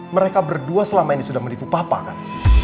mereka berdua selama ini sudah menipu papa kan